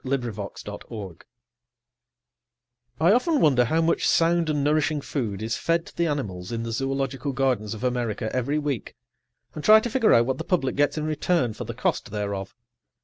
[Pg 80] XXXVI ZOOS I often wonder how much sound and nourishing food is fed to the animals in the zoological gardens of America every week, and try to figure out what the public gets in return for the cost thereof.